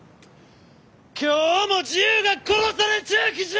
今日も自由が殺されちゅうきじゃ！